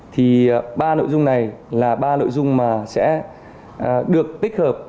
thì ba nội dung này là ba nội dung mà sẽ được tích hợp